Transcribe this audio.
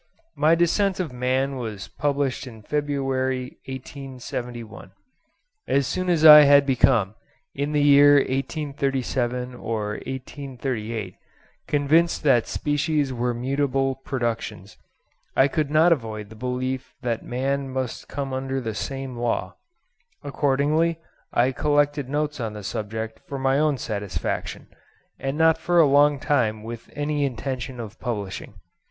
My 'Descent of Man' was published in February, 1871. As soon as I had become, in the year 1837 or 1838, convinced that species were mutable productions, I could not avoid the belief that man must come under the same law. Accordingly I collected notes on the subject for my own satisfaction, and not for a long time with any intention of publishing.